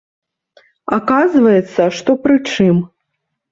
Аказваецца, што пры чым.